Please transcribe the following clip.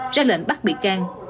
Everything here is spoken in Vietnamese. ra lệnh bắt bị can